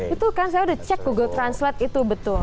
itu kan saya udah cek google translate itu betul